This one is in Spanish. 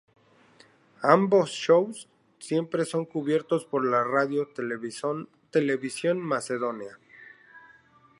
Ambos shows siempre son cubiertos por la Radio-Televisión Macedonia.